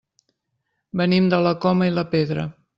Venim de la Coma i la Pedra.